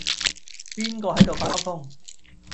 邊個係度發噏風